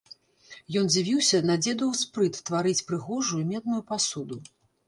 Ён дзівіўся на дзедаў спрыт тварыць прыгожую медную пасуду.